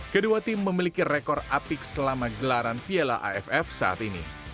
kedua tim memiliki rekor apik selama gelaran piala aff saat ini